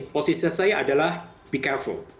posisi saya adalah be careful